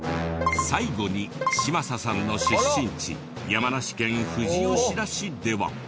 最後に嶋佐さんの出身地山梨県富士吉田市では。